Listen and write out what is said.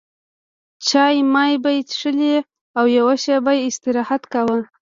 چای مای به یې څښل او یوه شېبه به یې استراحت کاوه.